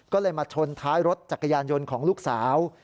ก็เลยมาชนท้ายรถจักรยานยนต์ของลูกสาว